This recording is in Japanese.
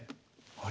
あれ？